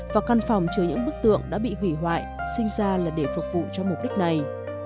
và căn phòng chứa những bức tượng đã bị hủy hoại sinh ra là để phục vụ cho mục đích này